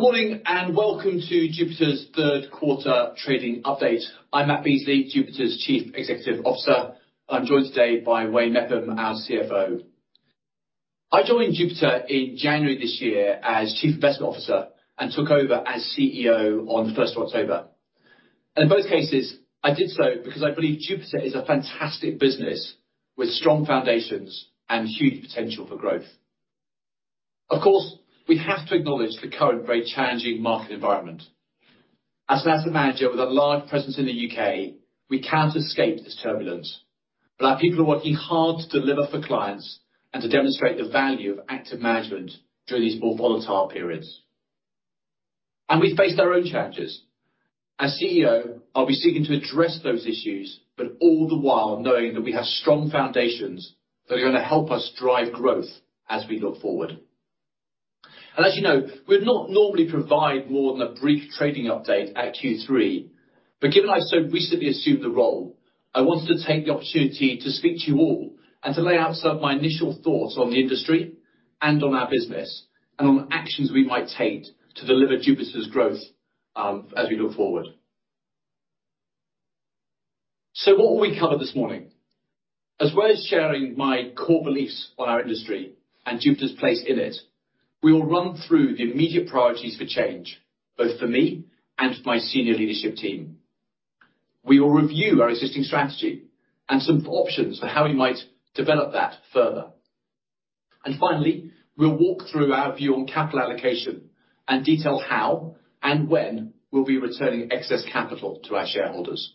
Well, good morning, nd welcome to Jupiter's third quarter trading update. I'm Matt Beesley, Jupiter's Chief Executive Officer. I'm joined today by Wayne Mepham, our CFO. I joined Jupiter in January this year as Chief Investment Officer and took over as CEO on the first of October. In both cases, I did so because I believe Jupiter is a fantastic business with strong foundations and huge potential for growth. Of course, we have to acknowledge the current very challenging market environment. As an asset manager with a large presence in the U.K., we can't escape this turbulence. But our people are working hard to deliver for clients and to demonstrate the value of active management during these more volatile periods. We face our own challenges. As CEO, I'll be seeking to address those issues, but all the while knowing that we have strong foundations that are gonna help us drive growth as we look forward. As you know, we'd not normally provide more than a brief trading update at Q3, but given I so recently assumed the role, I wanted to take the opportunity to speak to you all and to lay out some of my initial thoughts on the industry and on our business, and on actions we might take to deliver Jupiter's growth, as we look forward. What will we cover this morning? As well as sharing my core beliefs on our industry and Jupiter's place in it, we will run through the immediate priorities for change, both for me and my senior leadership team. We will review our existing strategy and some options for how we might develop that further. Finally, we'll walk through our view on capital allocation and detail how and when we'll be returning excess capital to our shareholders.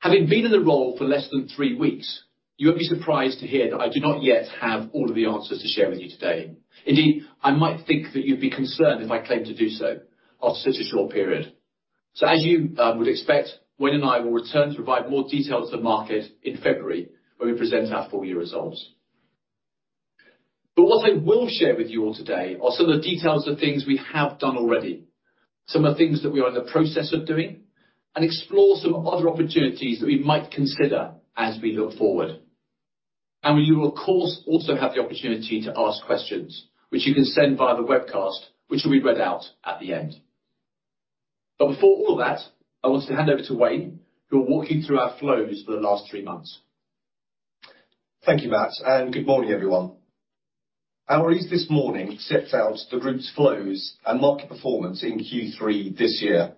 Having been in the role for less than three weeks, you won't be surprised to hear that I do not yet have all of the answers to share with you today. Indeed, I might think that you'd be concerned if I claimed to do so after such a short period. As you would expect, Wayne and I will return to provide more details to the market in February when we present our full year results. What I will share with you all today are some of the details of things we have done already, some of the things that we are in the process of doing, and explore some other opportunities that we might consider as we look forward. We will, of course, also have the opportunity to ask questions which you can send via the webcast, which will be read out at the end. Before all of that, I want to hand over to Wayne, who will walk you through our flows for the last three months. Thank you, Matt, and good morning, everyone. Our release this morning sets out the group's flows and market performance in Q3 this year.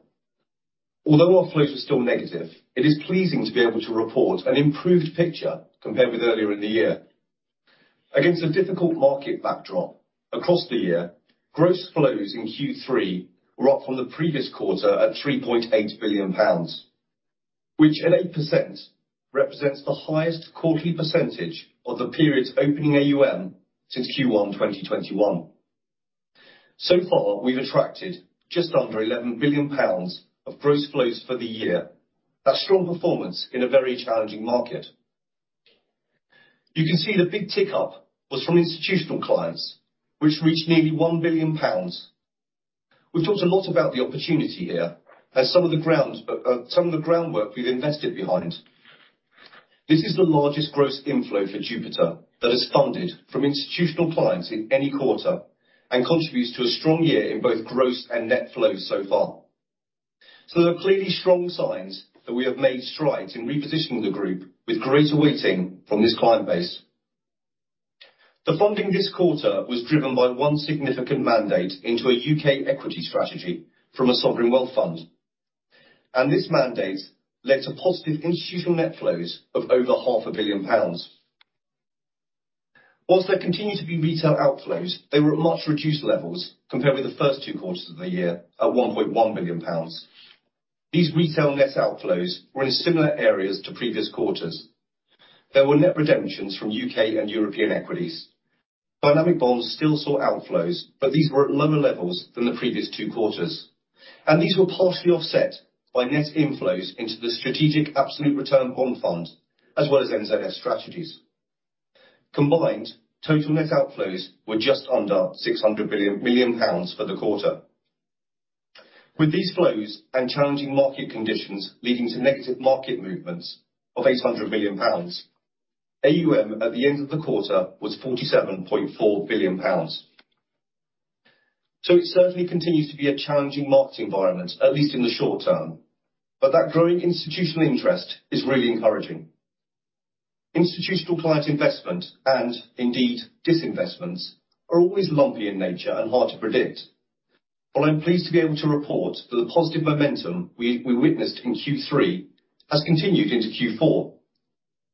Although our flows were still negative, it is pleasing to be able to report an improved picture compared with earlier in the year. Against a difficult market backdrop across the year, gross flows in Q3 were up from the previous quarter at 3.8 billion pounds, which at 8% represents the highest quarterly percentage of the period's opening AUM since Q1 2021. So far, we've attracted just under 11 billion pounds of gross flows for the year. That's strong performance in a very challenging market. You can see the big tick-up was from institutional clients, which reached nearly 1 billion pounds. We've talked a lot about the opportunity here and some of the groundwork we've invested behind. This is the largest gross inflow for Jupiter that is funded from institutional clients in any quarter and contributes to a strong year in both gross and net flows so far. There are clearly strong signs that we have made strides in repositioning the group with greater weighting from this client base. The funding this quarter was driven by one significant mandate into a U.K. equity strategy from a sovereign wealth fund, and this mandate led to positive institutional net flows of over GBP half a billion. While there continued to be retail outflows, they were at much reduced levels compared with the first two quarters of the year at 1.1 billion pounds. These retail net outflows were in similar areas to previous quarters. There were net redemptions from U.K. and European equities. Dynamic bonds still saw outflows, but these were at lower levels than the previous two quarters, and these were partially offset by net inflows into the strategic absolute return bond fund, as well as multi-asset strategies. Combined, total net outflows were just under 600 million pounds for the quarter. With these flows and challenging market conditions leading to negative market movements of 800 million pounds, AUM at the end of the quarter was 47.4 billion pounds. It certainly continues to be a challenging market environment, at least in the short term, but that growing institutional interest is really encouraging. Institutional client investment and indeed disinvestments are always lumpy in nature and hard to predict. I'm pleased to be able to report that the positive momentum we witnessed in Q3 has continued into Q4.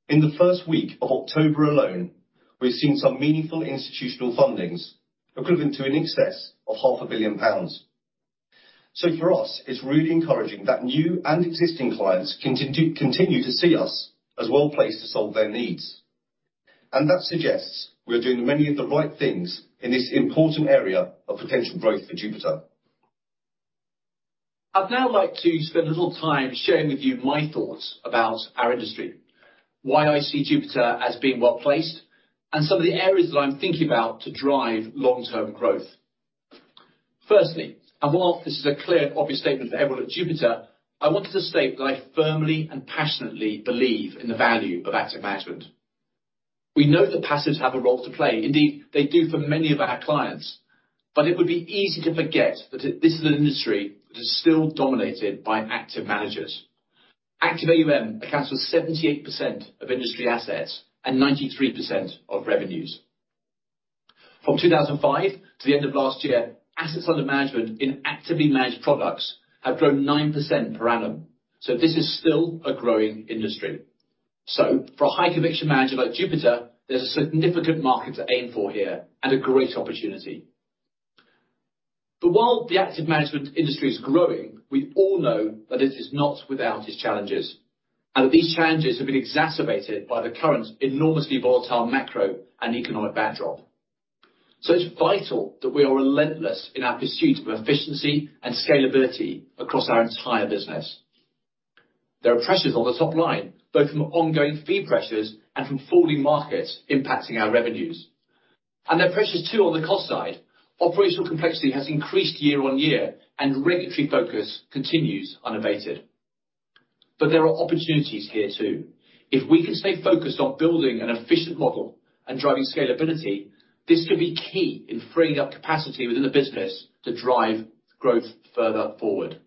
In the first week of October alone, we've seen some meaningful institutional fundings equivalent to an excess of half a billion pounds. For us, it's really encouraging that new and existing clients continue to see us as well-placed to solve their needs. That suggests we're doing many of the right things in this important area of potential growth for Jupiter. I'd now like to spend a little time sharing with you my thoughts about our industry, why I see Jupiter as being well-placed, and some of the areas that I'm thinking about to drive long-term growth. Firstly, and while this is a clear and obvious statement for everyone at Jupiter, I wanted to state that I firmly and passionately believe in the value of active management. We know that passives have a role to play. Indeed, they do for many of our clients. But it would be easy to forget that this is an industry that is still dominated by active managers. Active AUM accounts for 78% of industry assets and 93% of revenues. From 2005 to the end of last year, assets under management in actively managed products have grown 9% per annum. This is still a growing industry. For a high conviction manager like Jupiter, there's a significant market to aim for here and a great opportunity. While the active management industry is growing, we all know that it is not without its challenges, and these challenges have been exacerbated by the current enormously volatile macro and economic backdrop. It's vital that we are relentless in our pursuit of efficiency and scalability across our entire business. There are pressures on the top line, both from ongoing fee pressures and from falling markets impacting our revenues. There are pressures too on the cost side. Operational complexity has increased year on year and regulatory focus continues unabated. There are opportunities here too. If we can stay focused on building an efficient model and driving scalability, this could be key in freeing up capacity within the business to drive growth further forward.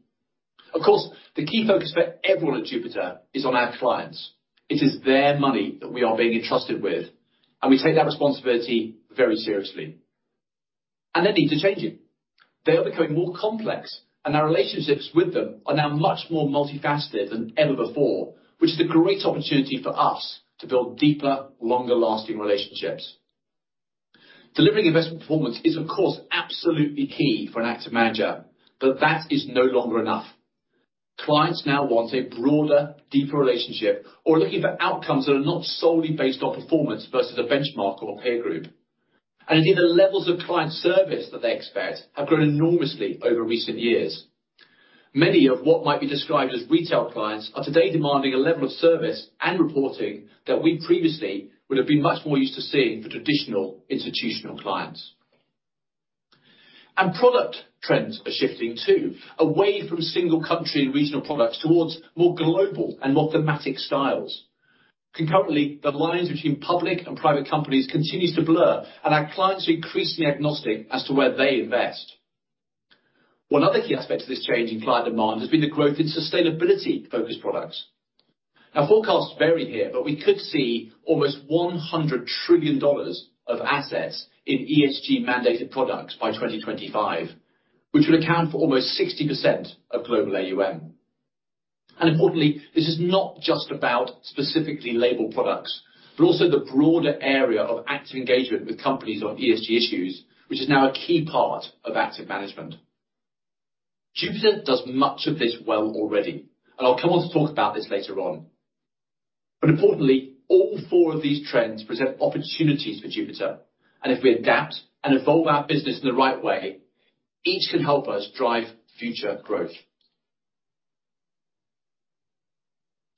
Of course, the key focus for everyone at Jupiter is on our clients. It is their money that we are being entrusted with, and we take that responsibility very seriously. Their needs are changing. They are becoming more complex, and our relationships with them are now much more multifaceted than ever before, which is a great opportunity for us to build deeper, longer-lasting relationships. Delivering investment performance is of course, absolutely key for an active manager, but that is no longer enough. Clients now want a broader, deeper relationship or are looking for outcomes that are not solely based on performance versus a benchmark or a peer group. Indeed, the levels of client service that they expect have grown enormously over recent years. Many of what might be described as retail clients are today demanding a level of service and reporting that we previously would have been much more used to seeing for traditional institutional clients. Product trends are shifting too, away from single country and regional products towards more global and more thematic styles. Concurrently, the lines between public and private companies continues to blur, and our clients are increasingly agnostic as to where they invest. One other key aspect of this change in client demand has been the growth in sustainability-focused products. Now forecasts vary here, but we could see almost $100 trillion of assets in ESG-mandated products by 2025, which would account for almost 60% of global AUM. Importantly, this is not just about specifically labeled products, but also the broader area of active engagement with companies on ESG issues, which is now a key part of active management. Jupiter does much of this well already, and I'll come on to talk about this later on. Importantly, all four of these trends present opportunities for Jupiter. If we adapt and evolve our business in the right way, each can help us drive future growth.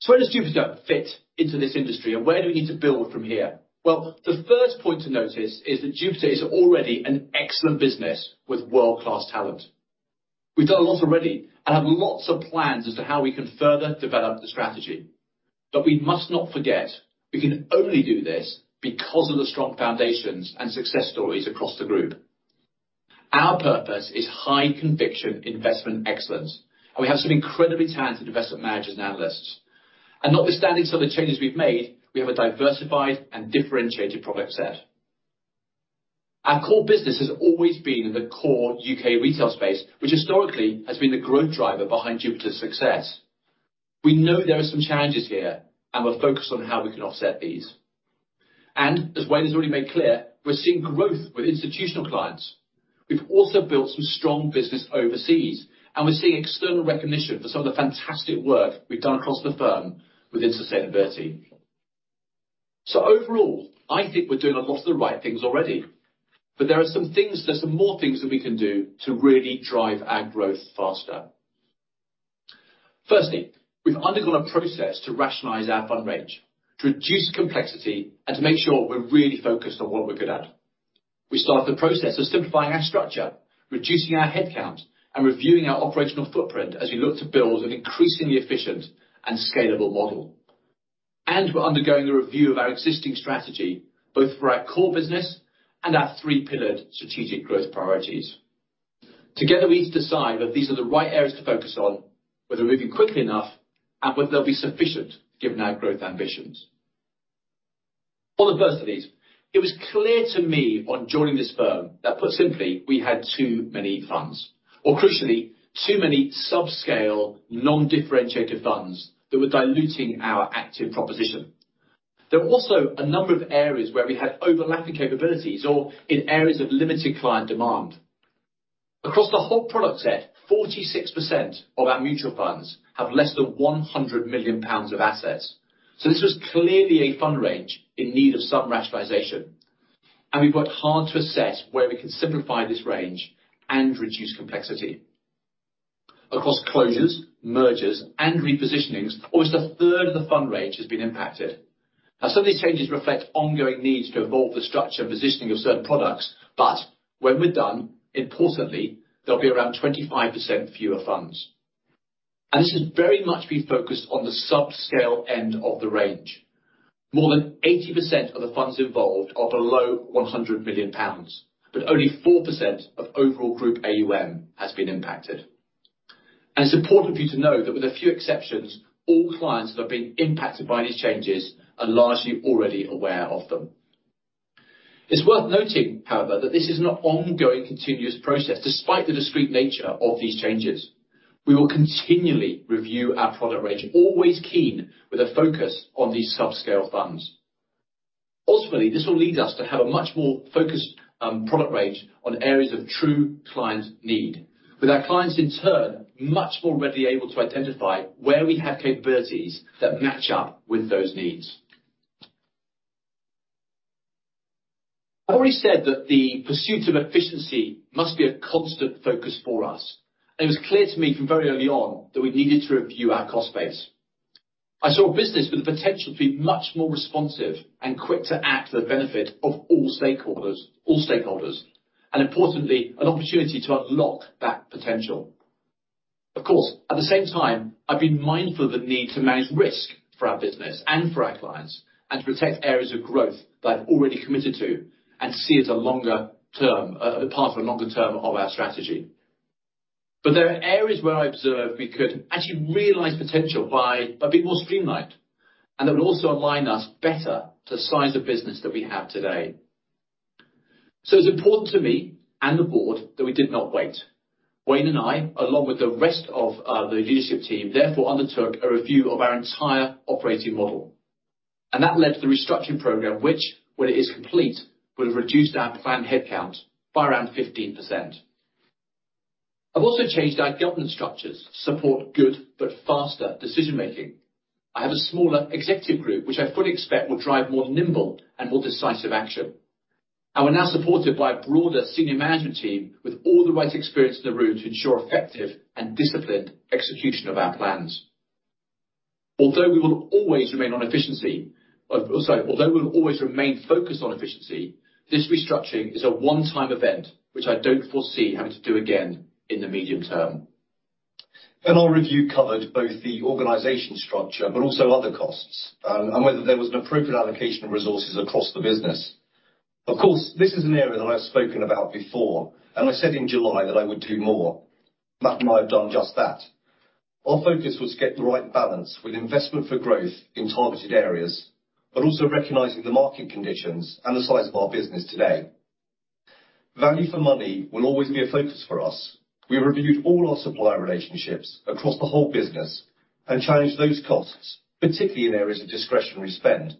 Where does Jupiter fit into this industry and where do we need to build from here? Well, the first point to notice is that Jupiter is already an excellent business with world-class talent. We've done a lot already and have lots of plans as to how we can further develop the strategy. We must not forget, we can only do this because of the strong foundations and success stories across the group. Our purpose is high-conviction investment excellence, and we have some incredibly talented investment managers and analysts. Notwithstanding some of the changes we've made, we have a diversified and differentiated product set. Our core business has always been in the core U.K. retail space, which historically has been the growth driver behind Jupiter's success. We know there are some challenges here, and we're focused on how we can offset these. As Wayne Mepham has already made clear, we're seeing growth with institutional clients. We've also built some strong business overseas, and we're seeing external recognition for some of the fantastic work we've done across the firm with sustainability. Overall, I think we're doing a lot of the right things already. There are some things, there's some more things that we can do to really drive our growth faster. Firstly, we've undergone a process to rationalize our fund range, to reduce complexity and to make sure we're really focused on what we're good at. We started the process of simplifying our structure, reducing our headcount, and reviewing our operational footprint as we look to build an increasingly efficient and scalable model. We're undergoing a review of our existing strategy, both for our core business and our three-pillared strategic growth priorities. Together, we need to decide that these are the right areas to focus on, whether we'll be moving quickly enough, and whether they'll be sufficient given our growth ambitions. On the first of these, it was clear to me on joining this firm that, put simply, we had too many funds, or crucially, too many subscale, non-differentiated funds that were diluting our active proposition. There were also a number of areas where we had overlapping capabilities or in areas of limited client demand. Across the whole product set, 46% of our mutual funds have less than 100 million pounds of assets. This was clearly a fund range in need of some rationalization. We've worked hard to assess where we can simplify this range and reduce complexity. Across closures, mergers, and repositionings, almost a third of the fund range has been impacted. Now some of these changes reflect ongoing needs to evolve the structure and positioning of certain products, but when we're done, importantly, there'll be around 25% fewer funds. This has very much been focused on the subscale end of the range. More than 80% of the funds involved are below 100 million pounds, but only 4% of overall group AUM has been impacted. It's important for you to know that with a few exceptions, all clients that have been impacted by these changes are largely already aware of them. It's worth noting, however, that this is an ongoing continuous process despite the discrete nature of these changes. We will continually review our product range, always keen with a focus on these subscale funds. Ultimately, this will lead us to have a much more focused product range on areas of true client need, with our clients in turn, much more readily able to identify where we have capabilities that match up with those needs. I've already said that the pursuit of efficiency must be a constant focus for us, and it was clear to me from very early on that we needed to review our cost base. I saw a business with the potential to be much more responsive and quick to act for the benefit of all stakeholders, and importantly, an opportunity to unlock that potential. Of course, at the same time, I've been mindful of the need to manage risk for our business and for our clients and to protect areas of growth that I've already committed to and see as a longer term, part of a longer term of our strategy. There are areas where I observed we could actually realize potential by being more streamlined, and that will also align us better to the size of business that we have today. It's important to me and the board that we did not wait. Wayne and I, along with the rest of the leadership team, therefore, undertook a review of our entire operating model, and that led to the restructuring program, which, when it is complete, will have reduced our planned headcount by around 15%. I've also changed our governance structures to support good but faster decision-making. I have a smaller executive group which I fully expect will drive more nimble and more decisive action. We're now supported by a broader senior management team with all the right experience in the room to ensure effective and disciplined execution of our plans. Although we'll always remain focused on efficiency, this restructuring is a one-time event, which I don't foresee having to do again in the medium term. Our review covered both the organizational structure but also other costs, and whether there was an appropriate allocation of resources across the business. Of course, this is an area that I've spoken about before, and I said in July that I would do more. Matt and I have done just that. Our focus was to get the right balance with investment for growth in targeted areas, but also recognizing the market conditions and the size of our business today. Value for money will always be a focus for us. We reviewed all our supplier relationships across the whole business and challenged those costs, particularly in areas of discretionary spend.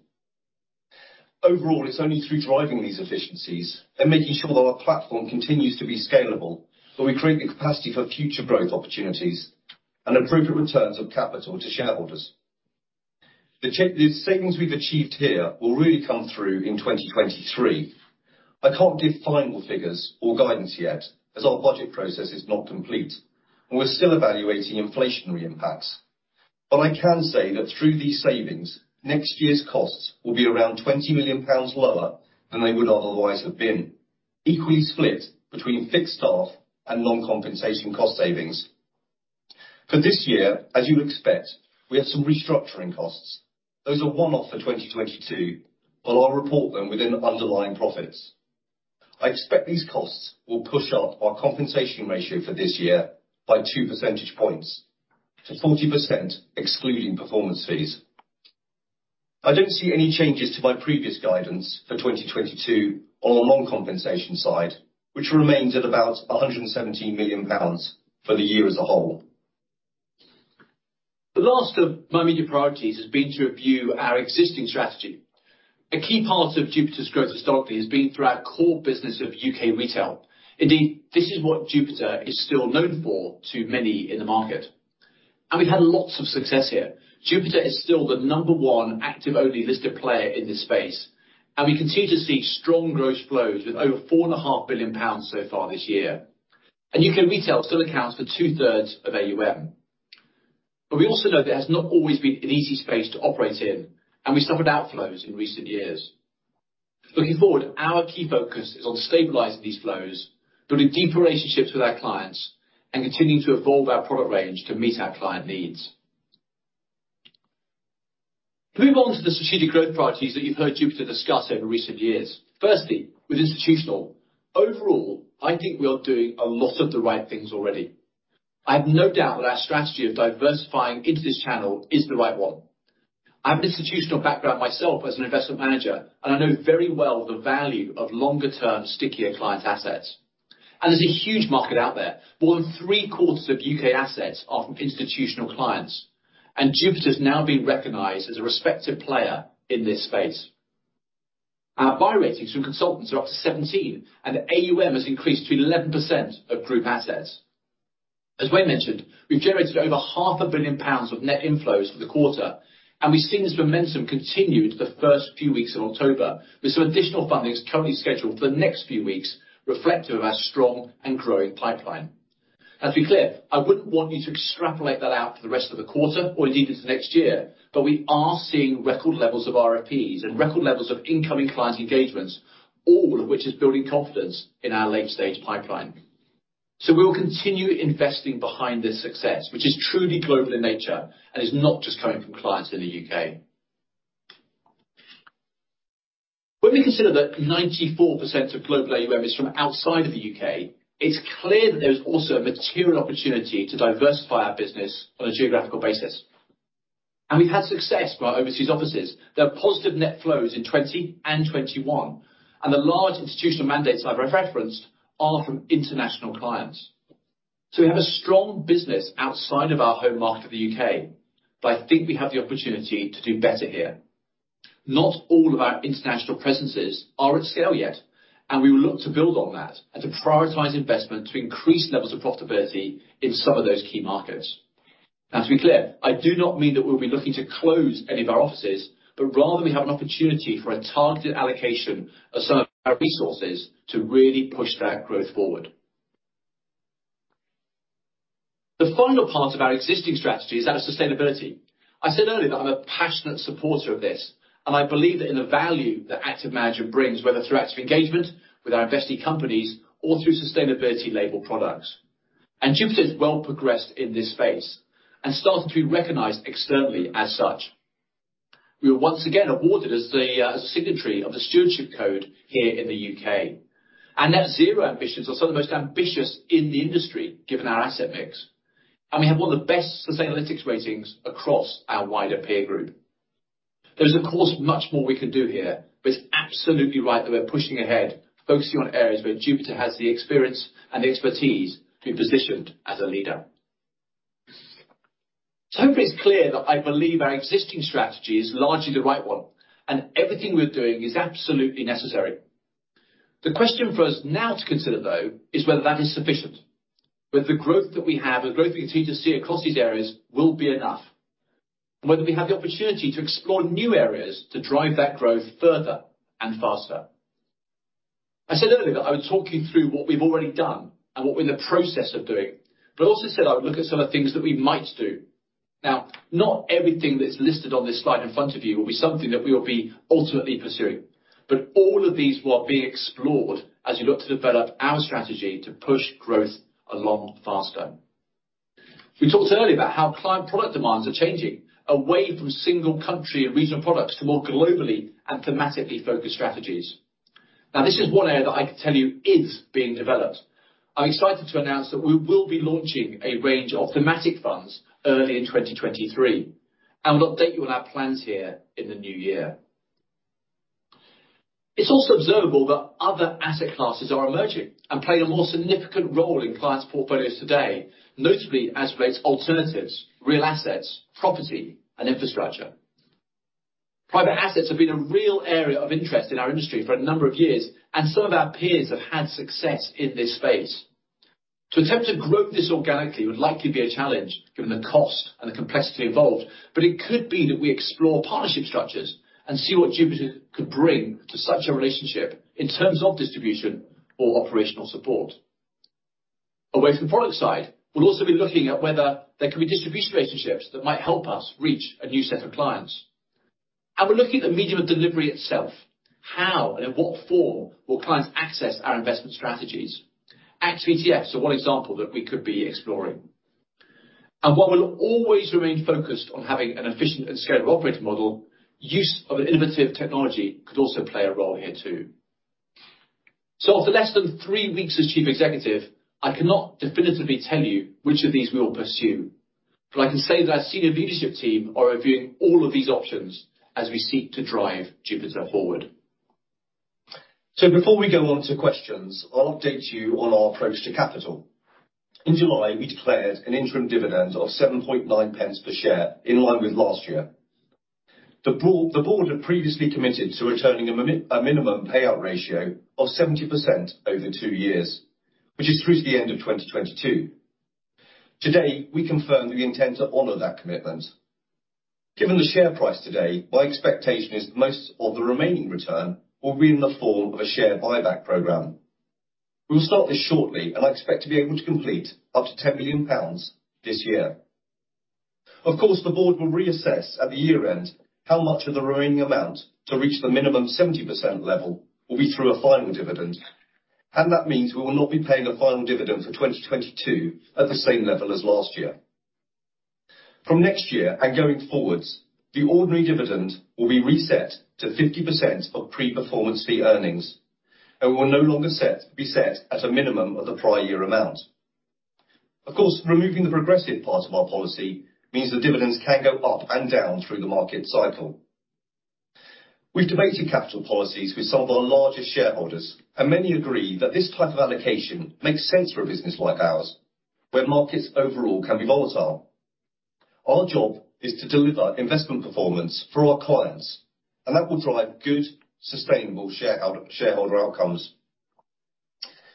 Overall, it's only through driving these efficiencies and making sure that our platform continues to be scalable, that we create the capacity for future growth opportunities and appropriate returns of capital to shareholders. The savings we've achieved here will really come through in 2023. I can't give final figures or guidance yet as our budget process is not complete, and we're still evaluating inflationary impacts. I can say that through these savings, next year's costs will be around 20 million pounds lower than they would otherwise have been. Equally split between fixed staff and non-compensation cost savings. For this year, as you'd expect, we had some restructuring costs. Those are one-off for 2022, but I'll report them within underlying profits. I expect these costs will push up our compensation ratio for this year by two percentage points to 40% excluding performance fees. I don't see any changes to my previous guidance for 2022 on the non-compensation side, which remains at about 117 million pounds for the year as a whole. The last of my media priorities has been to review our existing strategy. A key part of Jupiter's growth historically has been through our core business of U.K. retail. Indeed, this is what Jupiter is still known for to many in the market. We've had lots of success here. Jupiter is still the number one active-only listed player in this space. We continue to see strong gross flows with over 4.5 billion pounds so far this year. U.K. retail still accounts for two-thirds of AUM. We also know that it has not always been an easy space to operate in, and we suffered outflows in recent years. Looking forward, our key focus is on stabilizing these flows, building deeper relationships with our clients, and continuing to evolve our product range to meet our client needs. To move on to the strategic growth priorities that you've heard Jupiter discuss over recent years. Firstly, with institutional. Overall, I think we are doing a lot of the right things already. I have no doubt that our strategy of diversifying into this channel is the right one. I have an institutional background myself as an investment manager, and I know very well the value of longer-term stickier client assets. There's a huge market out there. More than three-quarters of U.K. assets are from institutional clients, and Jupiter's now being recognized as a respected player in this space. Our buy ratings from consultants are up to 17, and the AUM has increased to 11% of group assets. As Wayne mentioned, we've generated over half a billion GBP of net inflows for the quarter, and we've seen this momentum continue into the first few weeks of October with some additional fundings currently scheduled for the next few weeks reflective of our strong and growing pipeline. Now, to be clear, I wouldn't want you to extrapolate that out for the rest of the quarter or indeed into next year, but we are seeing record levels of RFPs and record levels of incoming client engagements, all of which is building confidence in our late-stage pipeline. We will continue investing behind this success, which is truly global in nature and is not just coming from clients in the U.K. When we consider that 94% of global AUM is from outside of the U.K., it's clear that there's also a material opportunity to diversify our business on a geographical basis. We've had success from our overseas offices. There are positive net flows in 2020 and 2021, and the large institutional mandates I've referenced are from international clients. We have a strong business outside of our home market of the U.K., but I think we have the opportunity to do better here. Not all of our international presences are at scale yet, and we will look to build on that and to prioritize investment to increase levels of profitability in some of those key markets. Now, to be clear, I do not mean that we'll be looking to close any of our offices, but rather we have an opportunity for a targeted allocation of some of our resources to really push that growth forward. The final part of our existing strategy is that of sustainability. I said earlier that I'm a passionate supporter of this, and I believe that in the value that active management brings, whether through active engagement with our investing companies or through sustainability label products. Jupiter is well progressed in this space and starting to be recognized externally as such. We were once again awarded as the signatory of the U.K. Stewardship Code here in the U.K. Our net zero ambitions are some of the most ambitious in the industry, given our asset mix, and we have one of the best Sustainalytics ratings across our wider peer group. There is, of course, much more we can do here, but it's absolutely right that we're pushing ahead, focusing on areas where Jupiter has the experience and expertise to be positioned as a leader. Hopefully it's clear that I believe our existing strategy is largely the right one, and everything we're doing is absolutely necessary. The question for us now to consider, though, is whether that is sufficient, whether the growth that we have, the growth we continue to see across these areas will be enough, and whether we have the opportunity to explore new areas to drive that growth further and faster. I said earlier that I would talk you through what we've already done and what we're in the process of doing, but I also said I would look at some of the things that we might do. Now, not everything that's listed on this slide in front of you will be something that we will be ultimately pursuing, but all of these will be explored as we look to develop our strategy to push growth along faster. We talked earlier about how client product demands are changing, away from single country and regional products to more globally and thematically focused strategies. Now, this is one area that I can tell you is being developed. I'm excited to announce that we will be launching a range of thematic funds early in 2023, and we'll update you on our plans here in the new year. It's also observable that other asset classes are emerging and playing a more significant role in clients' portfolios today, notably as relates alternatives, real assets, property, and infrastructure. Private assets have been a real area of interest in our industry for a number of years, and some of our peers have had success in this space. To attempt to grow this organically would likely be a challenge given the cost and the complexity involved, but it could be that we explore partnership structures and see what Jupiter could bring to such a relationship in terms of distribution or operational support. Away from the product side, we'll also be looking at whether there can be distribution relationships that might help us reach a new set of clients. We're looking at the medium of delivery itself, how and in what form will clients access our investment strategies. Active ETFs are one example that we could be exploring. While we'll always remain focused on having an efficient and scalable operating model, use of an innovative technology could also play a role here too. After less than three weeks as chief executive, I cannot definitively tell you which of these we will pursue, but I can say that our senior leadership team are reviewing all of these options as we seek to drive Jupiter forward. Before we go on to questions, I'll update you on our approach to capital. In July, we declared an interim dividend of 7.9 pence per share in line with last year. The board had previously committed to returning a minimum payout ratio of 70% over two years, which is through to the end of 2022. Today, we confirm that we intend to honor that commitment. Given the share price today, my expectation is most of the remaining return will be in the form of a share buyback program. We will start this shortly, and I expect to be able to complete up to 10 million pounds this year. Of course, the board will reassess at the year end how much of the remaining amount to reach the minimum 70% level will be through a final dividend, and that means we will not be paying a final dividend for 2022 at the same level as last year. From next year and going forward, the ordinary dividend will be reset to 50% of pre-performance fee earnings, and we will no longer be set at a minimum of the prior year amount. Of course, removing the progressive part of our policy means the dividends can go up and down through the market cycle. We've debated capital policies with some of our largest shareholders, and many agree that this type of allocation makes sense for a business like ours, where markets overall can be volatile. Our job is to deliver investment performance for our clients, and that will drive good, sustainable shareholder outcomes.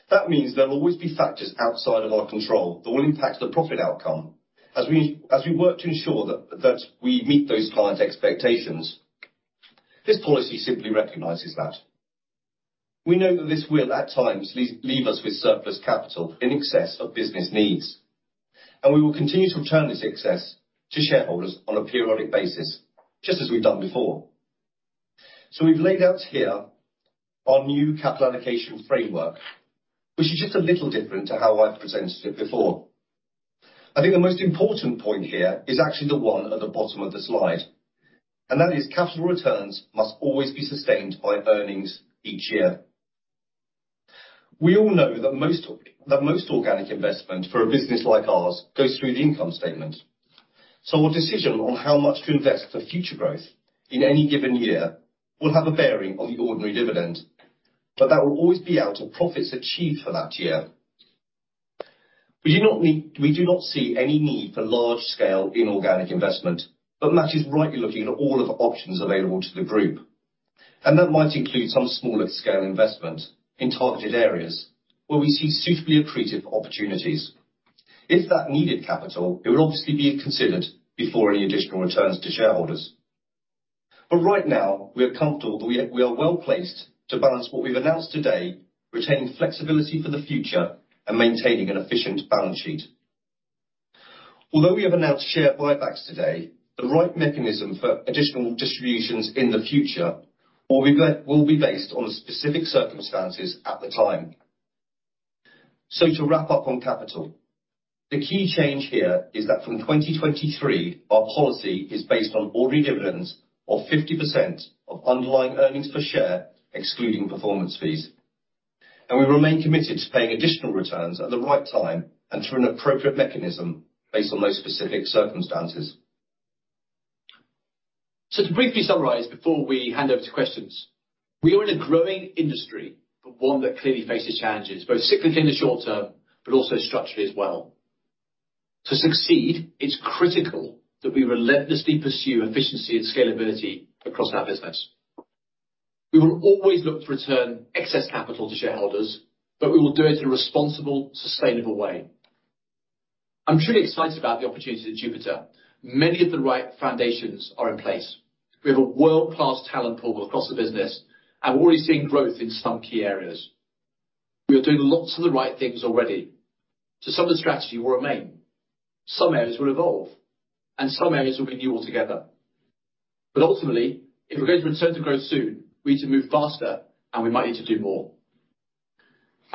That means there will always be factors outside of our control that will impact the profit outcome as we work to ensure that we meet those client expectations. This policy simply recognizes that. We know that this will, at times, leave us with surplus capital in excess of business needs, and we will continue to return this excess to shareholders on a periodic basis, just as we've done before. We've laid out here our new capital allocation framework, which is just a little different to how I've presented it before. I think the most important point here is actually the one at the bottom of the slide, and that is capital returns must always be sustained by earnings each year. We all know that most organic investment for a business like ours goes through the income statement, so a decision on how much to invest for future growth in any given year will have a bearing on the ordinary dividend. That will always be out of profits achieved for that year. We do not see any need for large scale inorganic investment, but Matt is rightly looking at all of the options available to the group, and that might include some smaller scale investment in targeted areas where we see suitably accretive opportunities. If that needed capital, it would obviously be considered before any additional returns to shareholders. Right now, we are comfortable that we are well-placed to balance what we've announced today, retaining flexibility for the future and maintaining an efficient balance sheet. Although we have announced share buybacks today, the right mechanism for additional distributions in the future will be based on specific circumstances at the time. To wrap up on capital, the key change here is that from 2023, our policy is based on ordinary dividends of 50% of underlying earnings per share, excluding performance fees. We remain committed to paying additional returns at the right time and through an appropriate mechanism based on those specific circumstances. To briefly summarize, before we hand over to questions, we are in a growing industry, but one that clearly faces challenges, both cyclically in the short term, but also structurally as well. To succeed, it's critical that we relentlessly pursue efficiency and scalability across our business. We will always look to return excess capital to shareholders, but we will do it in a responsible, sustainable way. I'm truly excited about the opportunity at Jupiter. Many of the right foundations are in place. We have a world-class talent pool across the business and we're already seeing growth in some key areas. We are doing lots of the right things already. Some of the strategy will remain, some areas will evolve, and some areas will be new altogether. Ultimately, if we're going to return to growth soon, we need to move faster and we might need to do more.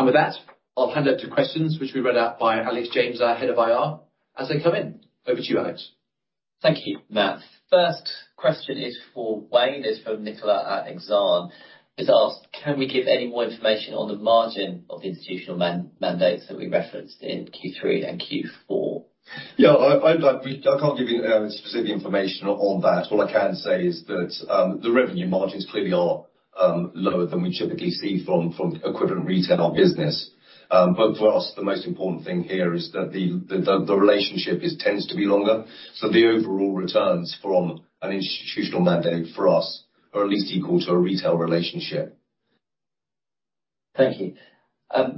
With that, I'll hand over to questions which will be read out by Alex James, our Head of IR, as they come in. Over to you, Alex. Thank you, Matt. First question is for Wayne, it's from Nicola at Exane. It asks, "Can we give any more information on the margin of institutional mandates that we referenced in Q3 and Q4? I can't give you specific information on that. What I can say is that the revenue margins clearly are lower than we typically see from equivalent retail business. For us, the most important thing here is that the relationship it tends to be longer. The overall returns from an institutional mandate for us are at least equal to a retail relationship. Thank you. Matt,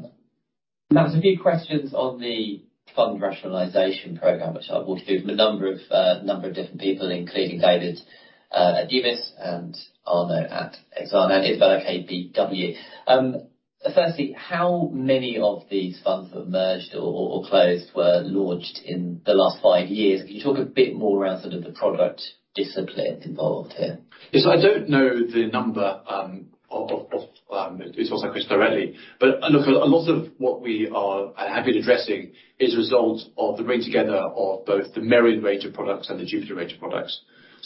there's a few questions on the fund rationalization program, which I've heard from a number of different people, including David at Numis and Arno at Exane and Isabella KBW. Firstly, how many of these funds have merged or closed or were launched in the last five years? Can you talk a bit more around sort of the product disciplines involved here? Yes. I don't know the number offhand to answer that question directly. Look, a lot of what we have been addressing is a result of the bringing together of both the Merian range of products and the Jupiter range of products.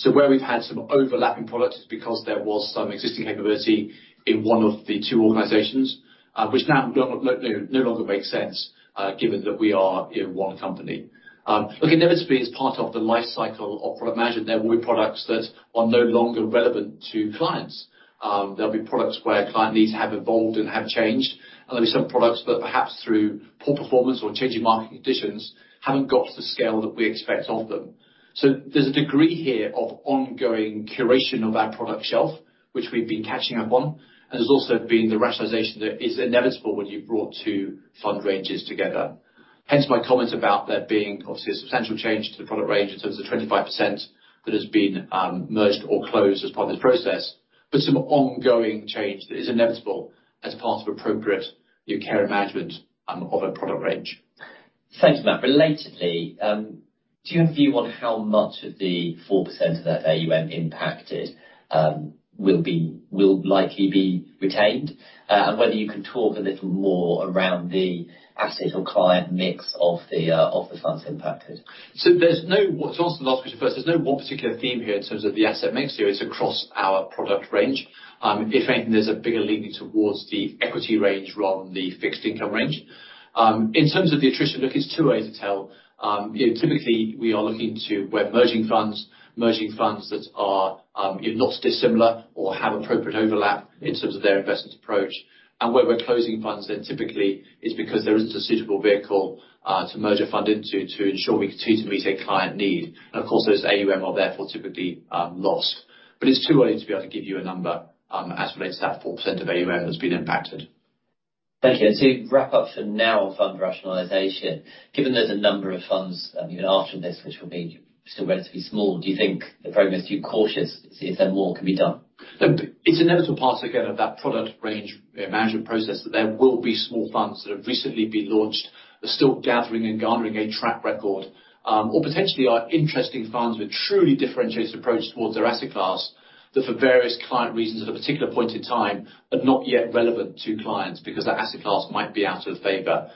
Where we've had some overlapping products, it's because there was some existing capability in one of the two organizations, which now no longer makes sense, given that we are in one company. Look, inevitably, as part of the life cycle of product management, there will be products that are no longer relevant to clients. There'll be products where client needs have evolved and have changed, and there'll be some products that perhaps through poor performance or changing market conditions haven't got the scale that we expect of them. There's a degree here of ongoing curation of our product shelf, which we've been catching up on. There's also been the rationalization that is inevitable when you've brought two fund ranges together. Hence my comment about there being obviously a substantial change to the product range in terms of the 25% that has been merged or closed as part of this process, but some ongoing change that is inevitable as part of appropriate new care and management of a product range. Thanks, Matt. Relatedly, do you have a view on how much of the 4% of that AUM impacted will likely be retained? Whether you can talk a little more around the assets or client mix of the funds impacted. To answer the last question first, there's no one particular theme here in terms of the asset mix. It's across our product range. If anything, there's a bigger leaning towards the equity range rather than the fixed income range. In terms of the attrition, look, it's too early to tell. Typically, we are looking to merge funds that are not dissimilar or have appropriate overlap in terms of their investment approach. Where we're closing funds then typically is because there isn't a suitable vehicle to merge a fund into to ensure we continue to meet a client need. Of course, those AUM are therefore typically lost. It's too early to be able to give you a number as it relates to that 4% of AUM that's been impacted. Thank you. To wrap up for now on fund rationalization, given there's a number of funds, even after this, which will be still relatively small, do you think the program is too cautious to see if then more can be done? It's an inevitable part, again, of that product range management process, that there will be small funds that have recently been launched, are still gathering and garnering a track record, or potentially are interesting funds with truly differentiated approach towards their asset class, that for various client reasons at a particular point in time, are not yet relevant to clients because that asset class might be out of favor.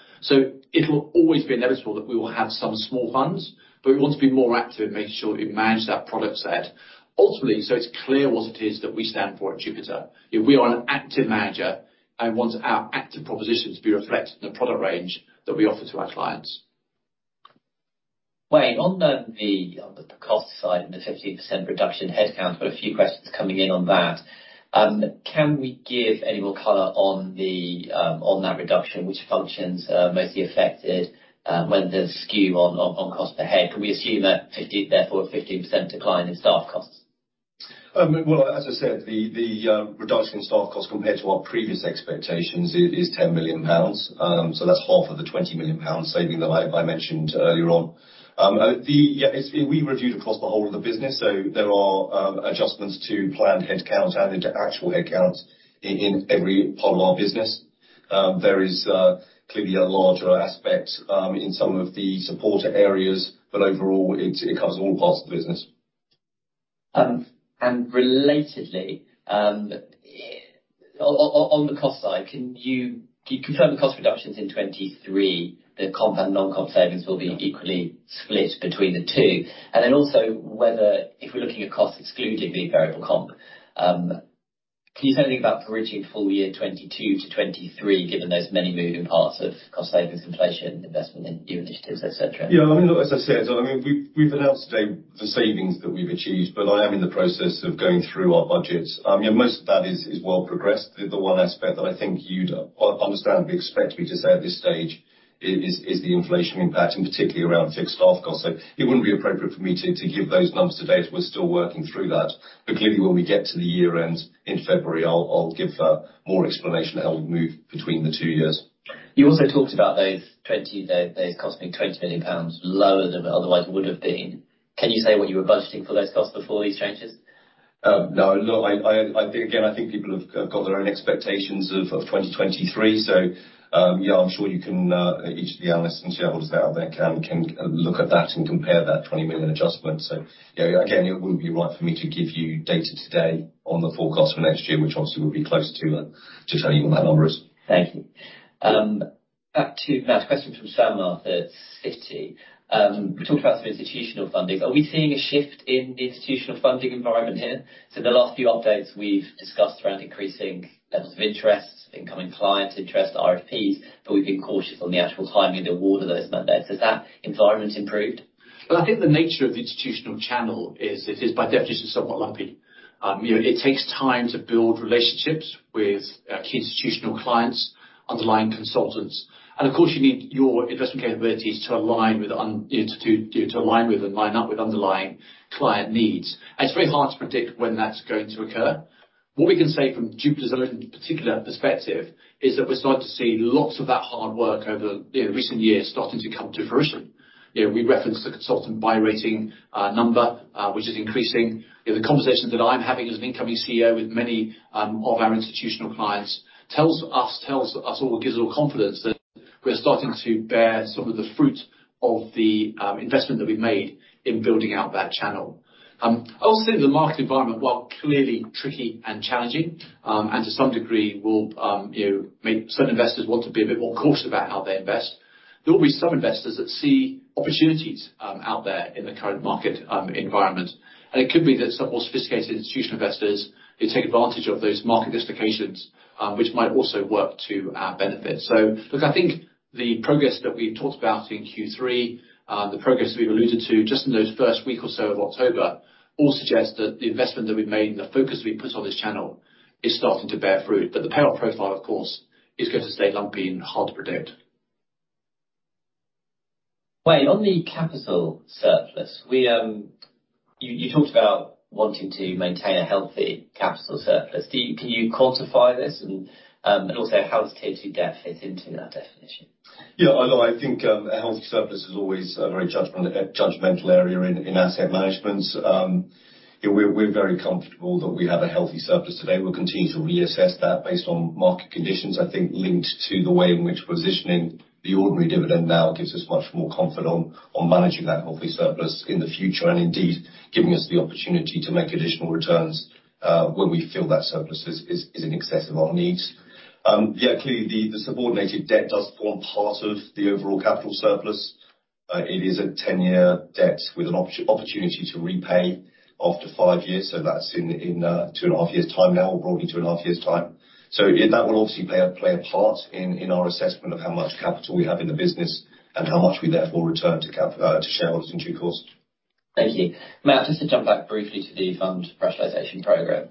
It'll always be inevitable that we will have some small funds, but we want to be more active in making sure we manage that product set ultimately, so it's clear what it is that we stand for at Jupiter. You know, we are an active manager and want our active proposition to be reflected in the product range that we offer to our clients. Wayne, on the cost side and the 15% reduction in headcount, I've got a few questions coming in on that. Can we give any more color on that reduction, which functions are mostly affected, when the skew on cost per head? Can we assume therefore a 15% decline in staff costs? Well, as I said, the reduction in staff costs compared to our previous expectations is 10 million pounds. So that's half of the 20 million pounds saving that I mentioned earlier on. We reviewed across the whole of the business, so there are adjustments to planned headcount added to actual headcounts in every part of our business. There is clearly a larger aspect in some of the supporter areas, but overall it covers all parts of the business. Relatedly, on the cost side, can you confirm the cost reductions in 2023, the comp and non-comp savings will be equally split between the two? Also whether if we're looking at costs exclusively, variable comp, can you say anything about bridging full year 2022 to 2023, given there's many moving parts of cost savings, inflation, investment in new initiatives, et cetera? Yeah. I mean, look, as I said, I mean, we've announced today the savings that we've achieved, but I am in the process of going through our budgets. You know, most of that is well progressed. The one aspect that I think you'd understandably expect me to say at this stage is the inflation impact, and particularly around fixed staff costs. It wouldn't be appropriate for me to give those numbers to date. We're still working through that. Clearly, when we get to the year end in February, I'll give more explanation how we've moved between the two years. You also talked about those costing 20 million pounds lower than it otherwise would have been. Can you say what you were budgeting for those costs before these changes? No. Look, I. Again, I think people have got their own expectations of 2023, so, yeah, I'm sure you can each of the analysts and shareholders out there can look at that and compare that 20 million adjustment. Yeah, again, it wouldn't be right for me to give you data today on the forecast for next year, which obviously we'll be closer to telling you what that number is. Thank you. Back to Matt. Question from Arun Melwani at Citi. We talked about some institutional funding. Are we seeing a shift in institutional funding environment here? The last few updates we've discussed around increasing levels of interest, incoming clients interest, RFPs, but we've been cautious on the actual timing and award of those mandates. Has that environment improved? Well, I think the nature of the institutional channel is it is by definition somewhat lumpy. You know, it takes time to build relationships with key institutional clients, underlying consultants, and of course you need your investment capabilities to align with, you know, and line up with underlying client needs. It's very hard to predict when that's going to occur. What we can say from Jupiter's own particular perspective is that we're starting to see lots of that hard work over, you know, recent years starting to come to fruition. You know, we referenced the consultant buy rating number, which is increasing. The conversations that I'm having as an incoming CEO with many of our institutional clients tells us all, gives us all confidence that we're starting to bear some of the fruit of the investment that we've made in building out that channel. I will say the market environment, while clearly tricky and challenging, and to some degree will, you know, make certain investors want to be a bit more cautious about how they invest. There will be some investors that see opportunities out there in the current market environment, and it could be that some more sophisticated institutional investors take advantage of those market dislocations, which might also work to our benefit. Look, I think the progress that we talked about in Q3, the progress we've alluded to just in those first week or so of October all suggest that the investment that we've made and the focus we've put on this channel is starting to bear fruit. The payout profile, of course, is going to stay lumpy and hard to predict. Wayne, on the capital surplus, you talked about wanting to maintain a healthy capital surplus. Can you quantify this? Also, how does tier two debt fit into that definition? Yeah. I know, I think, a healthy surplus is always a very judgment, judgmental area in asset management. You know, we're very comfortable that we have a healthy surplus today. We'll continue to reassess that based on market conditions, I think linked to the way in which we're positioning the ordinary dividend now gives us much more comfort on managing that healthy surplus in the future, and indeed giving us the opportunity to make additional returns when we feel that surplus is in excess of our needs. Yeah, clearly the subordinated debt does form part of the overall capital surplus. It is a 10-year debt with an opportunity to repay after five years. So that's in two and a half years' time now, or broadly two and a half years' time. That will obviously play a part in our assessment of how much capital we have in the business and how much we therefore return capital to shareholders in due course. Thank you. Matt, just to jump back briefly to the fund rationalization program.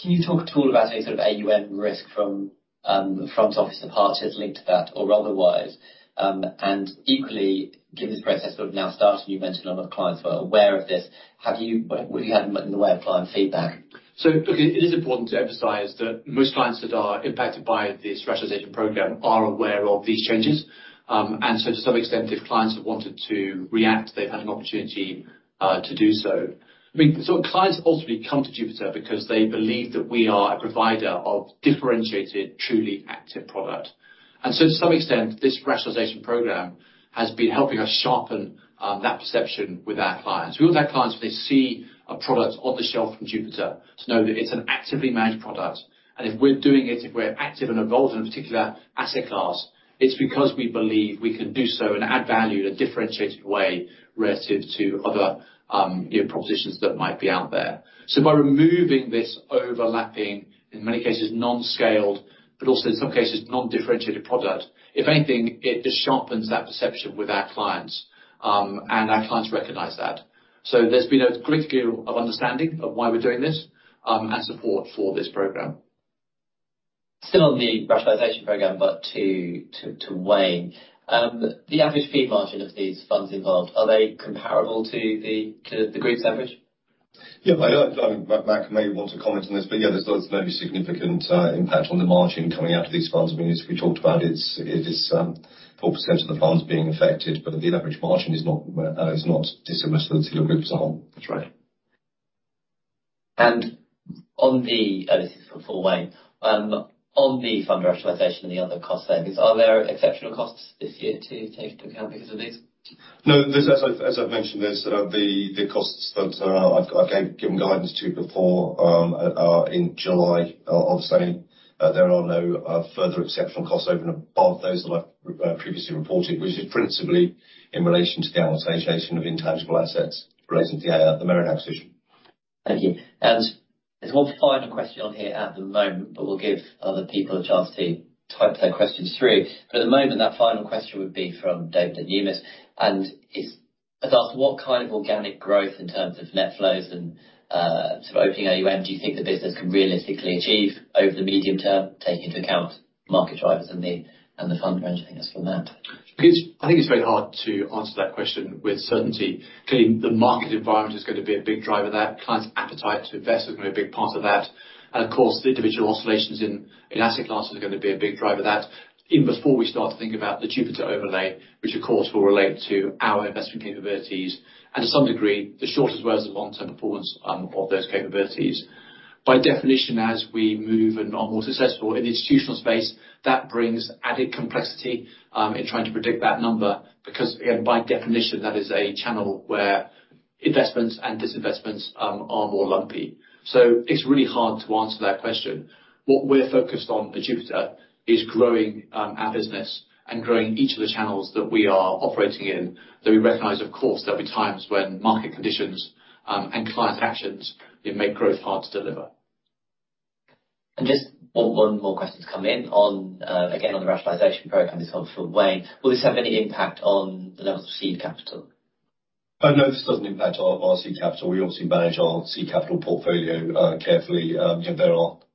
Can you talk at all about any sort of AUM risk from front office departures linked to that or otherwise? Equally, given the process sort of now starting, you've mentioned a lot of the clients were aware of this. What have you had in the way of client feedback? Okay, it is important to emphasize that most clients that are impacted by this rationalization program are aware of these changes. To some extent, if clients have wanted to react, they've had an opportunity to do so. I mean, clients ultimately come to Jupiter because they believe that we are a provider of differentiated, truly active product. To some extent, this rationalization program has been helping us sharpen that perception with our clients. We want our clients, when they see a product off the shelf from Jupiter, to know that it's an actively managed product. If we're doing it, if we're active and involved in a particular asset class, it's because we believe we can do so and add value in a differentiated way relative to other, you know, propositions that might be out there. By removing this overlapping, in many cases non-scaled, but also in some cases non-differentiated product, if anything, it just sharpens that perception with our clients, and our clients recognize that. There's been a great deal of understanding of why we're doing this, and support for this program. Still on the rationalization program, but to weigh the average fee margin of these funds involved, are they comparable to the group's average? Yeah, I know, Matt may want to comment on this, but yeah, there's no significant impact on the margin coming out of these funds. I mean, as we talked about, it is 4% of the funds being affected, but the average margin is not dissimilar to the group as a whole. That's right. Oh, this is for Wayne. On the fund rationalization and the other costs then, are there exceptional costs this year to take into account because of this? No. As I've mentioned, there's the costs that are again given guidance to before are in July of saying that there are no further exceptional costs over and above those that I've previously reported, which is principally in relation to the amortization of intangible assets relative to the Merian acquisition. Thank you. There's one final question on here at the moment, but we'll give other people a chance to type their questions through. For the moment, that final question would be from David at Numis. He has asked what kind of organic growth in terms of net flows and sort of ongoing AUM do you think the business can realistically achieve over the medium term, taking into account market drivers and the fundraising from that? Because I think it's very hard to answer that question with certainty. Clearly, the market environment is gonna be a big driver there. Client appetite to invest is gonna be a big part of that. Of course, the individual oscillations in asset classes are gonna be a big driver there. Even before we start to think about the Jupiter overlay, which of course will relate to our investment capabilities and to some degree, the short as well as the long-term performance of those capabilities. By definition, as we move and are more successful in the institutional space, that brings added complexity in trying to predict that number, because, again, by definition, that is a channel where investments and disinvestments are more lumpy. It's really hard to answer that question. What we're focused on at Jupiter is growing our business and growing each of the channels that we are operating in, that we recognize, of course, there'll be times when market conditions and client actions can make growth hard to deliver. Just one more question to come in on, again, on the rationalization program. It's all for Wayne. Will this have any impact on the level of seed capital? No, this doesn't impact our seed capital. We obviously manage our seed capital portfolio carefully. There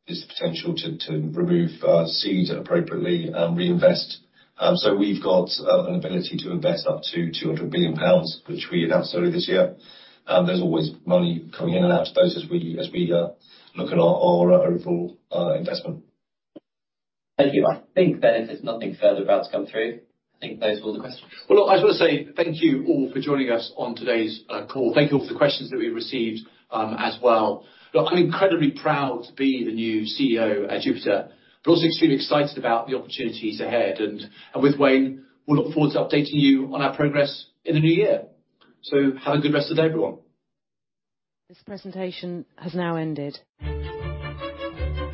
is the potential to remove seed appropriately and reinvest. We've got an ability to invest up to 200 million pounds, which we announced earlier this year. There's always money coming in and out of those as we look at our overall investment. Thank you. I think then if there's nothing further about to come through, I think those are all the questions. Well, look, I just want to say thank you all for joining us on today's call. Thank you all for the questions that we received, as well. Look, I'm incredibly proud to be the new CEO at Jupiter. We're also extremely excited about the opportunities ahead. With Wayne, we look forward to updating you on our progress in the new year. Have a good rest of the day, everyone. This presentation has now ended.